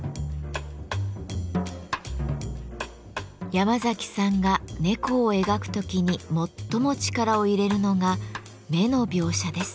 ヤマザキさんが猫を描く時に最も力を入れるのが目の描写です。